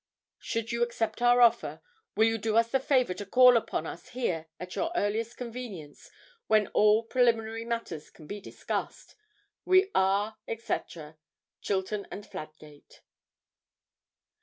'Should you accept our offer, will you do us the favour to call upon us here at your earliest convenience, when all preliminary matters can be discussed. 'We are, &c., 'CHILTON & FLADGATE.'